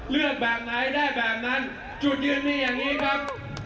เลือกแบบไหนได้แบบนั้นจุดยืนมีอย่างนี้ครับ